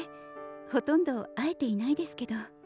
ほとんど会えていないですけど。